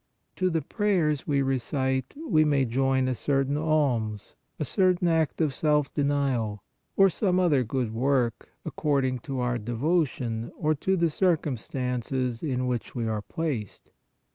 To the prayers we recite we may join a certain alms, a certain act of self denial, or some other good work, according to our devotion or to the circumstances in which we are placed.